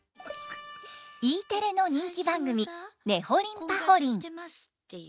Ｅテレの人気番組「ねほりんぱほりん」。